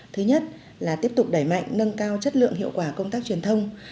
thứ nhất là tiếp tục đẩy mạnh nâng cao chất lượng hiệu quả công tác truyền thông